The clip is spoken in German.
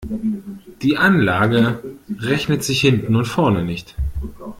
Die Anlage rechnet sich hinten und vorne nicht.